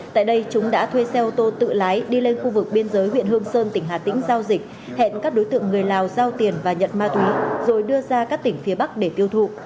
tại đây chúng đã thuê xe ô tô tự lái đi lên khu vực biên giới huyện hương sơn tỉnh hà tĩnh giao dịch hẹn các đối tượng người lào giao tiền và nhận ma túy rồi đưa ra các tỉnh phía bắc để tiêu thụ